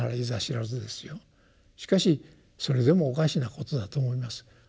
しかしそれでもおかしなことだと思います。